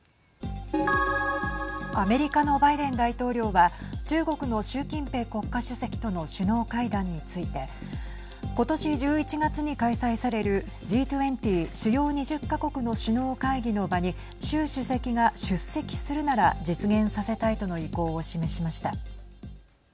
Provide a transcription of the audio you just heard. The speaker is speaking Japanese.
アメリカのバイデン大統領は中国の習近平国家主席との首脳会談について今年１１月に開催されるＧ２０＝主要２０か国の首脳会議の場に習主席が出席するなら実現させたいとの意向を示しました。